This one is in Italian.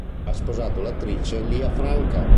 Ha sposato l'attrice Lya Franca.